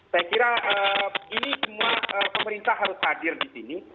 saya kira ini semua pemerintah harus hadir di sini